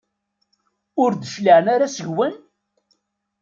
Ur d-cliɛen ara seg-wen?